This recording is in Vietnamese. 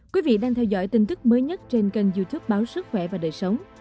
quý vị đang theo dõi tin tức mới nhất trên kênh youtube báo sức khỏe và đời sống